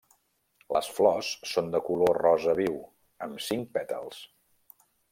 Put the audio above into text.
Les flors són de color rosa viu, amb cinc pètals.